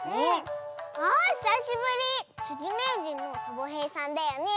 あひさしぶり！つりめいじんのサボへいさんだよね。